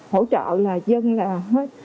hỗ trợ là dân là hết